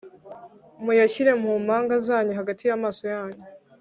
muyashyire mu mpanga zanyu hagati yamaso yanyu